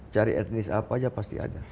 jadi etnis apa aja pasti ada